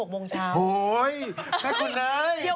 โอ้โฮนักคุณเลย